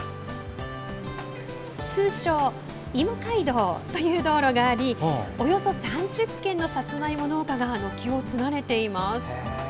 通称いも街道という道路がありおよそ３０軒のさつまいも農家が軒を連ねています。